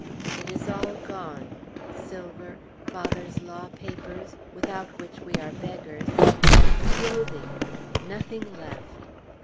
It is all gone, silver, father's law papers, without which we are beggars, and clothing! Nothing left!